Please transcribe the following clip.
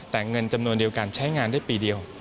แต่เงินจำนวนเดียวกันใช้งานได้ปีเดียว